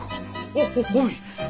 おおおい。